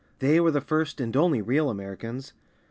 They were the first and only real Americans.